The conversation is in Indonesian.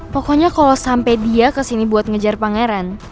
pokoknya kalo sampe dia kesini buat ngejar pangeran